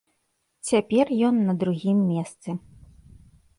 Цяпер ён на другім месцы.